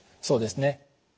そうですね。